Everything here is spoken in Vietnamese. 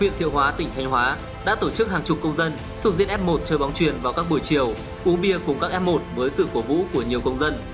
huyện thiệu hóa tỉnh thanh hóa đã tổ chức hàng chục công dân thuộc diện f một chơi bóng truyền vào các buổi chiều uống bia cùng các f một với sự cổ vũ của nhiều công dân